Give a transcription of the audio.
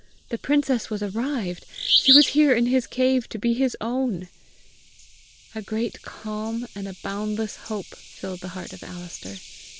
The princess was arrived! She was here in his cave to be his own! A great calm and a boundless hope filled the heart of Alister.